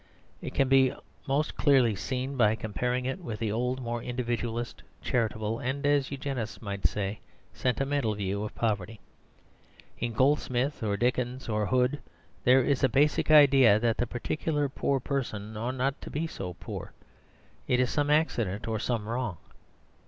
It can be most clearly seen by comparing it with the old, more individual, charitable, and (as the Eugenists might say) sentimental view of poverty. In Goldsmith or Dickens or Hood there is a basic idea that the particular poor person ought not to be so poor: it is some accident or some wrong.